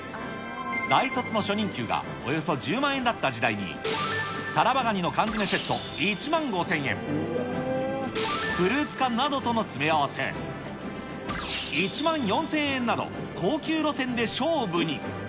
大卒の初任給がおよそ１０万円だった時代に、タラバガニの缶詰セット１万５０００円、フルーツ缶などとの詰め合わせ、１万４０００円など、高級路線で勝負に。